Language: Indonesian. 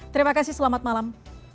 terima kasih selamat malam